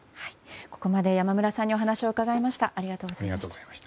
ここまで山村さんにお話を伺いました。